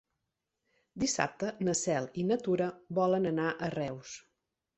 Dissabte na Cel i na Tura volen anar a Reus.